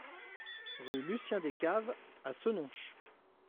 Rue Lucien Descaves à Senonches